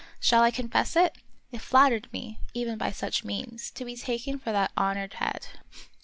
Shall I confess it? It flattered me, even by such means, to be taken for that honored head.